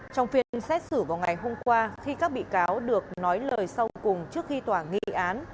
trong phiên xét xử vào ngày hôm qua khi các bị cáo được nói lời sau cùng trước khi tòa nghị án